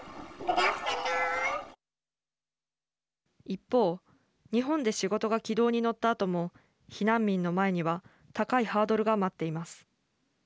一方日本で仕事が軌道に乗ったあとも避難民の前には高いハードルが待っています。